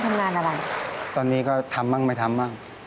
ไม่ไหว